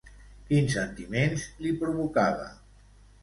Quins sentiments li provocava?